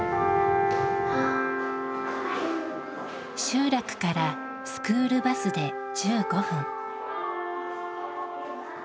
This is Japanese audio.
集落からスクールバスで１５分。